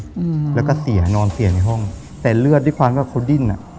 อืมแล้วก็เสียนอนเสียในห้องแต่เลือดด้วยความว่าเขาดิ้นอ่ะ